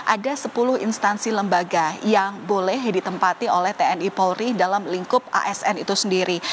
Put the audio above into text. ada sepuluh instansi lembaga yang boleh ditempati oleh tni polri dalam lingkup asn itu sendiri